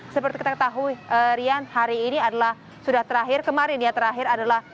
seperti kita ketahui rian hari ini adalah sudah terakhir kemarin ya terakhir adalah